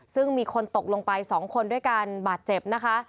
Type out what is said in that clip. ซึ่งมีคนตกลงไป๒คนด้วยการบาดเจ็บนะคะ